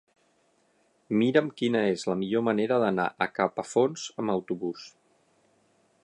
Mira'm quina és la millor manera d'anar a Capafonts amb autobús.